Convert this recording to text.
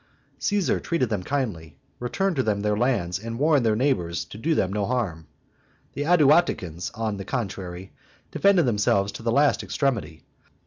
Caesar received them kindly, returned to them their lands, and warned their neighbors to do them no harm. The Aduaticans, on the contrary, defended them selves to the last extremity.